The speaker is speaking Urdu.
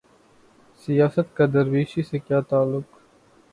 سیاست کا درویشی سے کیا تعلق؟